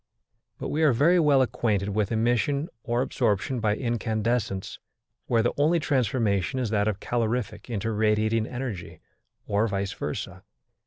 But we are very well acquainted with emission or absorption by incandescence, where the only transformation is that of calorific into radiating energy, or vice versa.